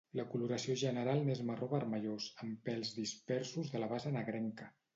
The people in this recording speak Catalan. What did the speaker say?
La coloració general n'és marró vermellós, amb pèls dispersos de la base negrenca.